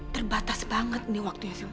terbatas banget nih waktunya sih